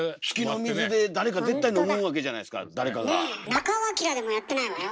中尾彬でもやってないわよ。